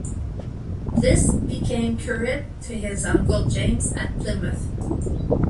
Bliss became curate to his uncle James at Plymouth.